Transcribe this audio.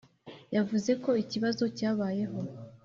yavuze ko ikibazo cyabayeho